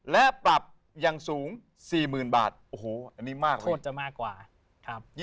และปรับอย่างสูง๔๐๐๐บาทโอ้โหอันนี้มากกว่าโทษจะมากกว่า